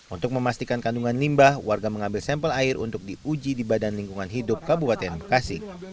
untuk memastikan kandungan limbah warga mengambil sampel air untuk diuji di badan lingkungan hidup kabupaten bekasi